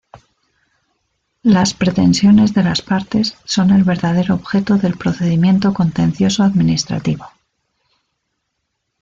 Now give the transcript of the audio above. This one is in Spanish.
Las pretensiones de las partes son el verdadero objeto del procedimiento contencioso-administrativo.